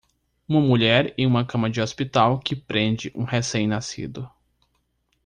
Uma mulher em uma cama de hospital que prende um recém-nascido.